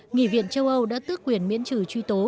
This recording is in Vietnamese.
nghị viện châu âu đã tước quyền miễn trừ truy tố